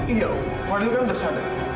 iya fadil kan sudah sadar